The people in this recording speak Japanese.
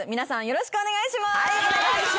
よろしくお願いします。